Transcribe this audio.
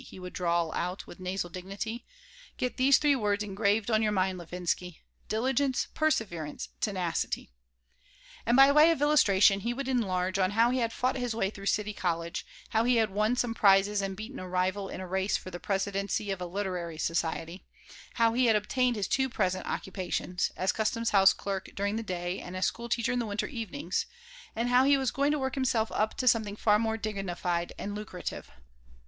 he would drawl out, with nasal dignity. "Get these three words engraved on your mind, Levinsky. Diligence, perseverance, tenacity." And by way of illustration he would enlarge on how he had fought his way through City College, how he had won some prizes and beaten a rival in a race for the presidency of a literary society; how he had obtained his present two occupations as custom house clerk during the day and as school teacher in the winter evenings and how he was going to work himself up to something far more dignified and lucrative.